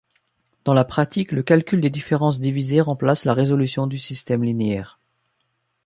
Dans la pratique, le calcul des différences divisées remplace la résolution du système linéaire.